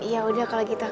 ya udah kalau gitu